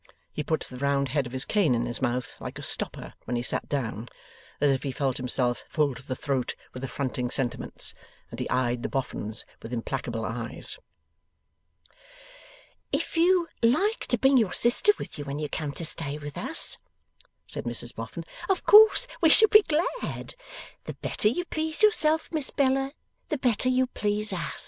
He put the round head of his cane in his mouth, like a stopper, when he sat down. As if he felt himself full to the throat with affronting sentiments. And he eyed the Boffins with implacable eyes. 'If you like to bring your sister with you when you come to stay with us,' said Mrs Boffin, 'of course we shall be glad. The better you please yourself, Miss Bella, the better you'll please us.